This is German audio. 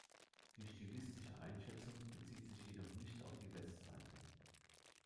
Die stilistische Einschätzung bezieht sich jedoch nicht auf die Westseite.